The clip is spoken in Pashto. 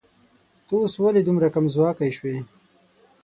ته اوس ولې دومره کمځواکی شوې